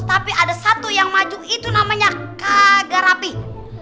tapi ada satu yang maju itu namanya kagak rapih